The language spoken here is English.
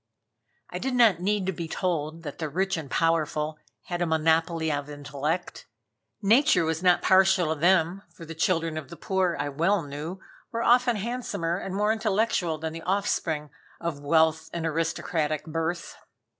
I did not need to be told that the rich and powerful had a monopoly of intellect: Nature was not partial to them, for the children of the poor, I well knew, were often handsomer and more intellectual than the offspring of wealth and aristocratic birth.